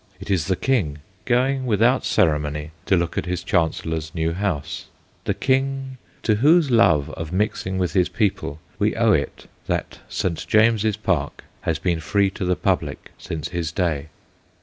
It is the King, going without ceremony to look at his Chancellor's new house ; the King to whose love of mixing with his people we owe it that St. James's Park has been free to the public since his day.